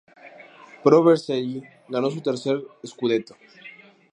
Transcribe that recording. Pro Vercelli ganó su tercer "scudetto".